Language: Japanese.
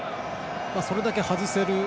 それだけ外せる